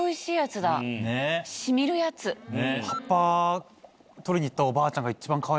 葉っぱ取りに行ったおばあちゃんが。